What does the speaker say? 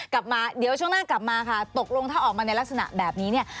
กลับมาเดี๋ยวช่วงหน้ากลับมาค่ะตกลงถ้าออกมาในลักษณะแบบนี้เนี่ย